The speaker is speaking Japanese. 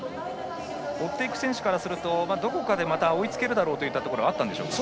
追っていく選手からするとどこかで、また追いつけるだろうというところはあったんでしょうか。